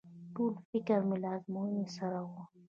ټول فکر مې له ازموينې سره و.